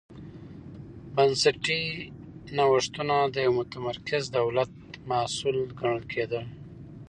بنسټي نوښتونه د یوه متمرکز دولت محصول ګڼل کېدل.